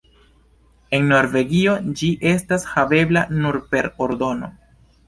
En Norvegio ĝi estas havebla nur per ordono.